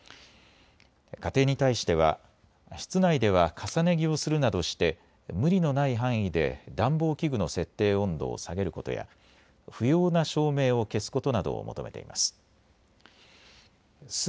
家庭に対しては、室内では重ね着をするなどして無理のない範囲で暖房器具の設定温度を下げることや不要な照明を消すことなどを求めています。